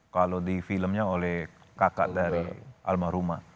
kalau di filmnya oleh kakak dari almarhumah